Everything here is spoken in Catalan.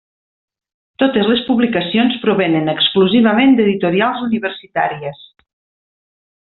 Totes les publicacions provenen exclusivament d'editorials universitàries.